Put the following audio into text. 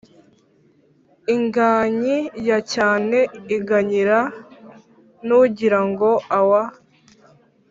Inganyi ya cyane iganyira nugira ngo awa.